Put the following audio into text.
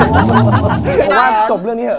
ผมว่าจบเรื่องนี้เถ